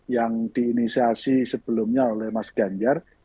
yang diinisiasi sebelumnya oleh mas ganjar